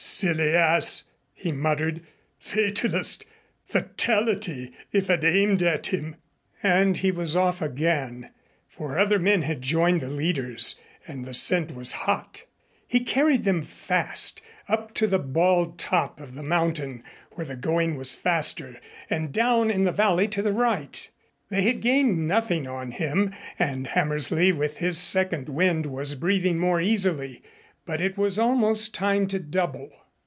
"Silly ass!" he muttered. "Fatalist! Fatality if I'd aimed at him!" And he was off again, for other men had joined the leaders and the scent was hot. He carried them fast, up to the bald top of the mountain where the going was faster, and down in the valley to the right. They had gained nothing on him and Hammersley with his second wind was breathing more easily, but it was almost time to double.